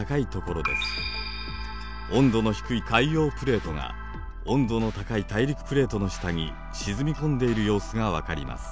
温度の低い海洋プレートが温度の高い大陸プレートの下に沈み込んでいる様子が分かります。